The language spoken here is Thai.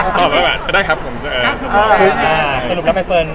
สำหรับอายเฟิร์น